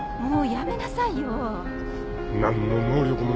もうやめなさいよ。